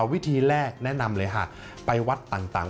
วิธีแรกแนะนำเลยหากไปวัดต่าง